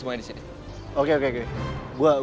se earbuds banget rein anyong artuh